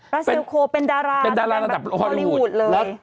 รัสเซลโคลเป็นดาราฮอลลี่วูดเลย